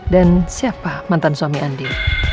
dan siapa mantan suami andi